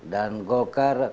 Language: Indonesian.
dan golkar itu